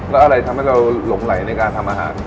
แล้วอะไรทำให้เราหลงไหลในการทำอาหาร